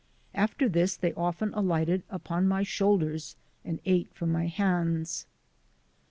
After this they often alighted upon my shoulders and ate from my hands.